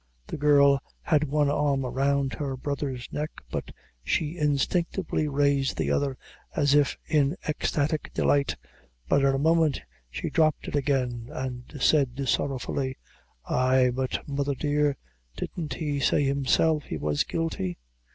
The girl had one arm around her brother's neck, but she instinctively raised the other, as if in ecstatic delight, but in a moment she dropped it again, and said sorrowfully "Ay; but, mother dear, didn't he say himself he was guilty?"